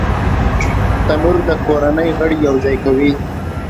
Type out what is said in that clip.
تنور د کورنۍ غړي یو ځای کوي